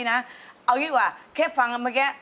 โฮลาเลโฮลาเลโฮลาเล